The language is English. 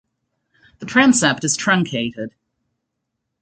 The transept is truncated.